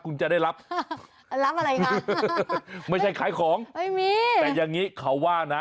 คุณจะได้รับไม่ใช่ขายของแต่อย่างนี้เขาว่านะ